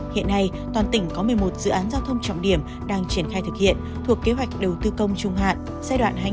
hiện nay toàn tỉnh có một mươi một dự án giao thông trọng điểm đang triển khai thực hiện thuộc kế hoạch đầu tư công trung hạn